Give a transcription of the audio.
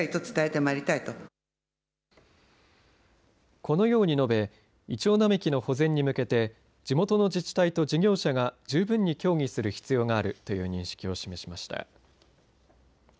このように述べイチョウ並木の保全に向けて地元の自治体と事業者が十分に協議する必要があるという認識を示しました。